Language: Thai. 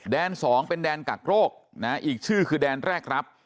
๒เป็นแดนกักโรคนะอีกชื่อคือแดนแรกรับ